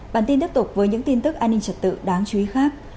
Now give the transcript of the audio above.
bản tin tiếp tục với những tin tức an ninh trật tự đáng chú ý khác